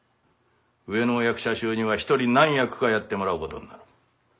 上の役者衆には一人何役かやってもらうことになる。